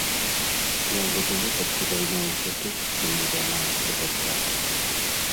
Я ў гэтым выпадку займаюся тым, чым не займаецца дзяржава.